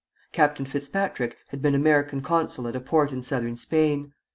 Captain Fitzpatrick had been American consul at a port in southern Spain.